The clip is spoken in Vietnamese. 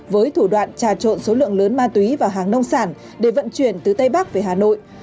với thủ đoạn trà trộn số lượng lớn ma túy và hàng nông sản để vận chuyển từ tây bắc về hà nội